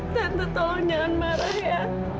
tante tolong jangan marah ya